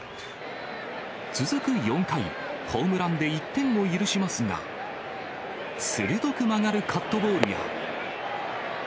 続く４回、ホームランで１点を許しますが、鋭く曲がるカットボールや。